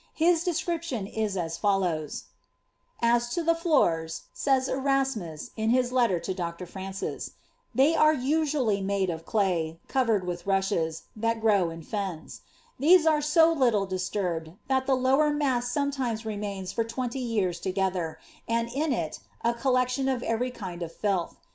His description is as follows :—^ As to the floors," says Erasmus, in his letter to Dr. Francis, ^ they are usually made of clay, covered with rushes, that grow in fens ; Uiese are •o little disturbed, that the lower mass sometimes remains for twenty years together, and in it a collection o( every kind of tilth.